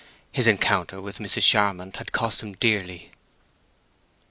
His encounter with Mrs. Charmond had cost him dearly.